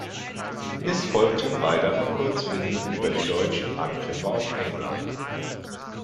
Es folgten weitere Kurzfilme über die deutschen Angriffe auf England.